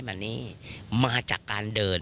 นางแบบเลย